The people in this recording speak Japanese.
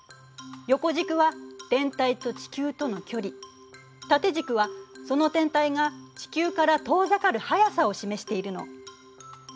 横軸は天体と地球との距離縦軸はその天体が地球から遠ざかる速さを示しているの。